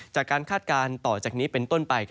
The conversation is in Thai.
คาดการณ์ต่อจากนี้เป็นต้นไป